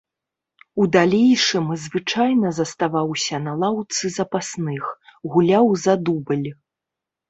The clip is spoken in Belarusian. У далейшым звычайна заставаўся на лаўцы запасных, гуляў за дубль.